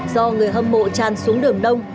do người hâm mộ tràn xuống đường đông